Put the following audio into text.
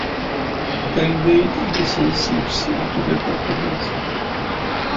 Her innate innocence seeps into her performance.